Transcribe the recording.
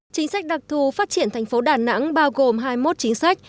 chính sách đặc thù phát triển thành phố đà nẵng bao gồm hai mươi một chính sách